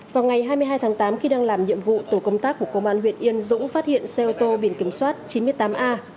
vào ngày hai mươi hai tháng tám khi đang làm nhiệm vụ tổ công tác của công an huyện yên dũng phát hiện xe ô tô biển kiểm soát chín mươi tám a hai mươi bảy nghìn hai mươi hai